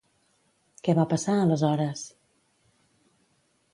Què va passar aleshores?